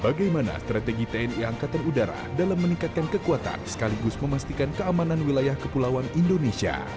bagaimana strategi tni angkatan udara dalam meningkatkan kekuatan sekaligus memastikan keamanan wilayah kepulauan indonesia